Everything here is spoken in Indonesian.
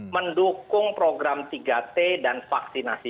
mendukung program tiga t dan vaksinasi